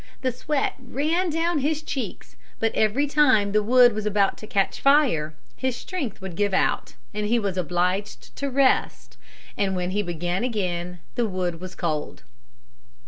The sweat ran down his cheeks, but every time the wood was about to catch fire his strength would give out, and he was obliged to rest, and when he began again the wood was cold.